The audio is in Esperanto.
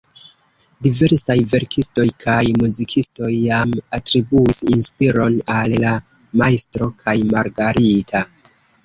Diversaj verkistoj kaj muzikistoj jam atribuis inspiron al "La Majstro kaj Margarita".